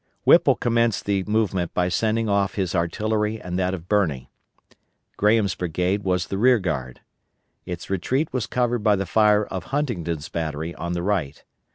Whipple commenced the movement by sending off his artillery and that of Birney. Graham's brigade was the rear guard. Its retreat was covered by the fire of Huntington's battery on the right.